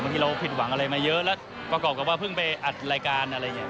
ที่เราผิดหวังอะไรมาเยอะแล้วประกอบกับว่าเพิ่งไปอัดรายการอะไรอย่างนี้